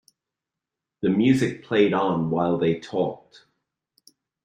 The music played on while they talked.